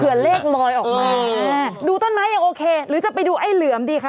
เลขลอยออกมาดูต้นไม้ยังโอเคหรือจะไปดูไอ้เหลือมดีคะ